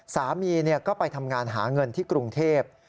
สามีก็ไปทำงานหาเงินที่กรุงเทพ